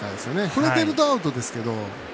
触れてるとアウトですけど。